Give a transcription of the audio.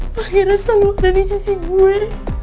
pangeran selalu ada disisi gue